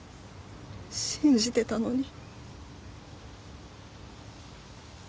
信じてたのに。